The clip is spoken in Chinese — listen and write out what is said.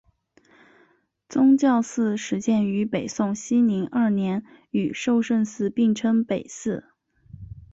崇教寺始建于北宋熙宁二年与寿圣寺并称北寺。